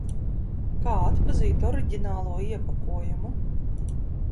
Kā atpazīt oriģinālo iepakojumu?